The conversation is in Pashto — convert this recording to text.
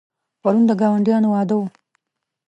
پرون د ګاونډیانو واده و.